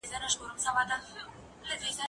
زه اجازه لرم چي بوټونه پاک کړم